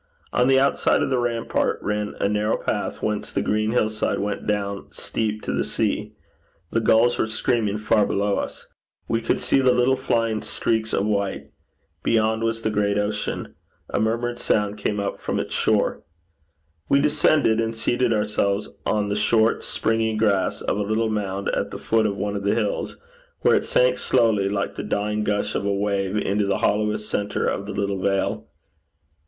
On the outside of the rampart ran a narrow path whence the green hill side went down steep to the sea. The gulls were screaming far below us; we could see the little flying streaks of white. Beyond was the great ocean. A murmurous sound came up from its shore. We descended and seated ourselves on the short springy grass of a little mound at the foot of one of the hills, where it sank slowly, like the dying gush of a wave, into the hollowest centre of the little vale.